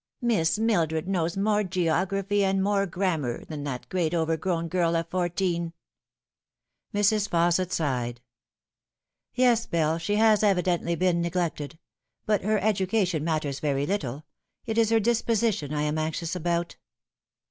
Miss Mildred knows more geography and more grammar than that great overgrown girl of fourteen." Mrs. Fausset sighed. " Yes, Bell, she has evidently been neglected ; but her education matters very little. It is her disposition I am anxious about."